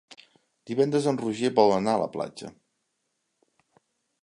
Divendres en Roger vol anar a la platja.